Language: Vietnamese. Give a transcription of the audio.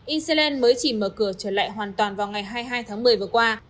israel mới chỉ mở cửa trở lại hoàn toàn vào ngày hai mươi hai tháng một mươi vừa qua